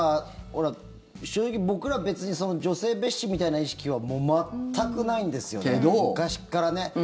正直、僕ら別に女性蔑視みたいな意識はもう全くないんですよね昔からね。